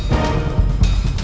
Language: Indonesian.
beberapa hari ke depan